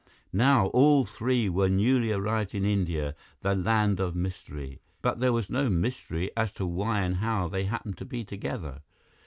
Now, all three were newly arrived in India, the land of mystery. But there was no mystery as to why and how they happened to be together.